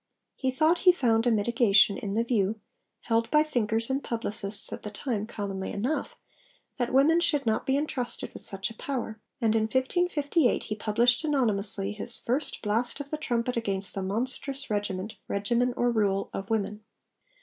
He thought he found a mitigation in the view (held by thinkers and publicists at the time commonly enough) that women should not be entrusted with such a power; and, in 1558, he published anonymously his 'First Blast of the Trumpet against the Monstrous Regiment [Regimen or Rule] of Women.'